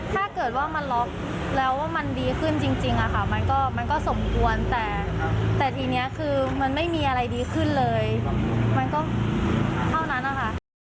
ถ้าเกิดว่ามันล็อกแล้วว่ามันดีขึ้นจริงอะค่ะมันก็สมควรแต่ทีนี้คือมันไม่มีอะไรดีขึ้นเลยมันก็เท่านั้นนะคะ